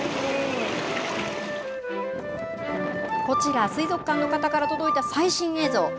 こちら、水族館の方から届いた最新映像。